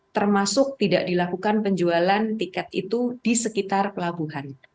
termasuk tidak dilakukan penjualan tiket itu di sekitar pelabuhan